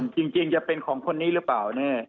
ส่วนจริงจะเป็นของคนนี้หรือเปล่า